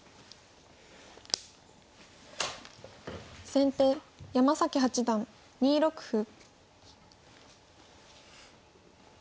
先手山崎八段２六歩。